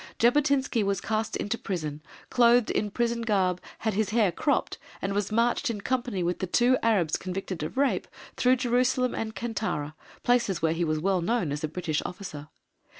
Jabotinsky was cast into prison, clothed in prison garb, had his hair cropped, and was marched in company with the two Arabs convicted of rape through Jerusalem and Kantara, places where he was well known as a British officer.